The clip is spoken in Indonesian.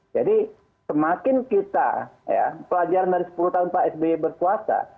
jadi semakin kita pelajaran dari sepuluh tahun pak sby berkuasa